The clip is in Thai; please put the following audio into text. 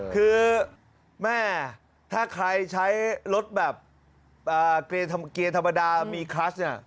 คือแม่ถ้าใครใช้รถแบบเกียร์ธรรมดามีคลัสเนี่ย